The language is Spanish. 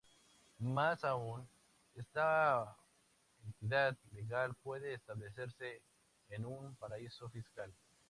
Más aún, esta entidad legal puede establecerse en un paraíso fiscal.